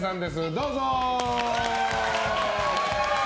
どうぞ！